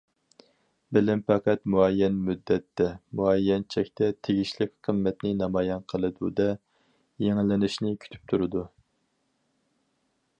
بىلىم پەقەت مۇئەييەن مۇددەتتە، مۇئەييەن چەكتە تېگىشلىك قىممەتنى نامايان قىلىدۇ- دە، يېڭىلىنىشنى كۈتۈپ تۇرىدۇ.